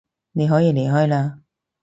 你可以離開嘞